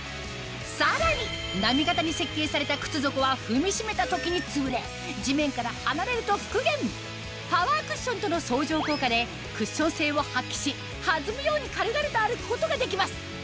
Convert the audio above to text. さらに波形に設計された靴底は踏みしめた時につぶれ地面から離れると復元パワークッションとの相乗効果でクッション性を発揮し弾むように軽々と歩くことができます